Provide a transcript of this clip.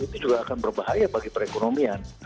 itu juga akan berbahaya bagi perekonomian